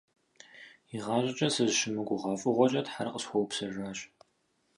ИгъащӀэкӀэ сызыщымыгугъа фӀыгъуэкӀэ Тхьэр къысхуэупсэжащ.